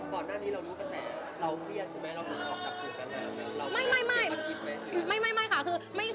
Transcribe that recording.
ก่อนหน้านี้เรารู้กันแต่เราเครียดใช่ไหม